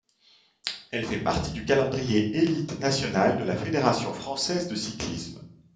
Elle fait partie du calendrier élite nationale de la Fédération française de cyclisme.